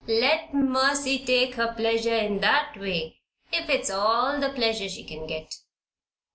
"Let Mercy take her pleasure in that way if it's all the pleasure she can get.